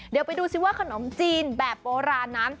เดี๋ยวไปดูซิว่าขนมจีนแบบโบราณนั้น